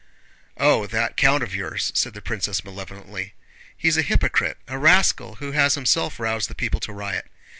"Oh, that count of yours!" said the princess malevolently. "He is a hypocrite, a rascal who has himself roused the people to riot.